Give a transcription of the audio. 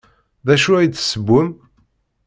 D acu ay d-tessewwem?